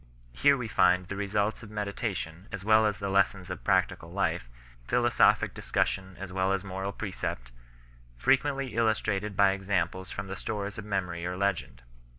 Here we find the results of meditation as well as the lessons of practical life, philosophic discussion as well as moral precept, frequently illustrated by examples from the stores of memory or legend.